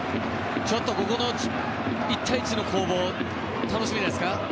ちょっと１対１の攻防、楽しみですね。